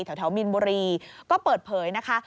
มินบุรีก็เปิดเผยนะคะ